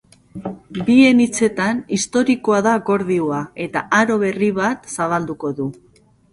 Bien hitzetan, historikoa da akordioa eta aro berri bat zabalduko du.